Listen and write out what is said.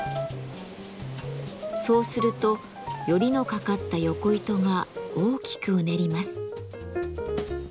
そうするとヨリのかかったヨコ糸が大きくうねります。